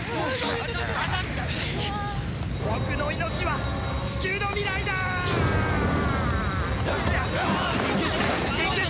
僕の命は地球の未来だ！緊急事態！